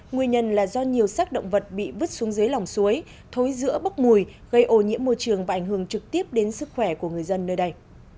nguyên nhân là do nhiều sác động vật bị vứt xuống dưới lòng suối thối giữa bốc mùi gây ô nhiễm môi trường và ảnh hưởng trực tiếp đến sức khỏe của người dân nơi đây